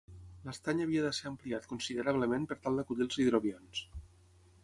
L'estany havia de ser ampliat considerablement per tal d'acollir els hidroavions.